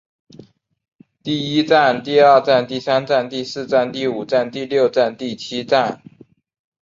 第一战第二战第三战第四战第五战第六战第七战